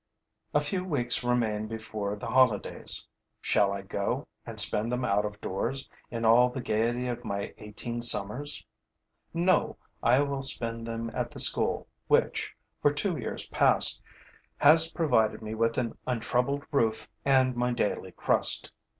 A few weeks remain before the holidays. Shall I go and spend them out of doors, in all the gaiety of my eighteen summers? No, I will spend them at the school which, for two years past, has provided me with an untroubled roof and my daily crust.